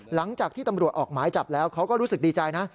หลังจากที่ตำรวจออกหมายจับแล้วเขาก็รู้สึกดีใจนะ